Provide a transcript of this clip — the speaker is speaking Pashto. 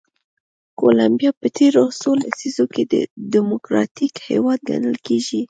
کولمبیا په تېرو څو لسیزو کې ډیموکراتیک هېواد ګڼل کېږي.